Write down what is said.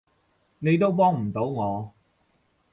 你都幫唔到我